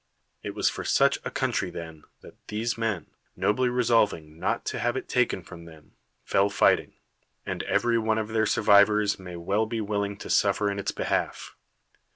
It was for such a country then that tlu'se men, nobly resolving not to have it taken from them, fell fighting; and every one of their 21 THE WORLD'S FAMOUS ORATIONS survivors may well be willing to suffer in its behalf.